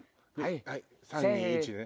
３・２・１ね。